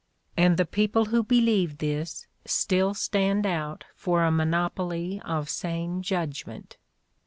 And the people who believe this still stand out for a monopoly of sane judgment.